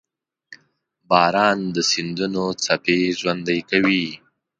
• باران د سیندونو څپې ژوندۍ کوي.